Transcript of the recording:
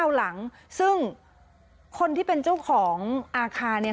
หลังซึ่งคนที่เป็นเจ้าของอาคารเนี่ย